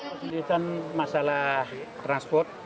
kesulitan masalah transport